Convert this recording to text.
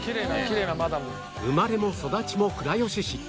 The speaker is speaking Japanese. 生まれも育ちも倉吉市